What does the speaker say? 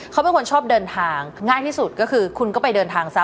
เขาเป็นคนชอบเดินทางง่ายที่สุดก็คือคุณก็ไปเดินทางซะ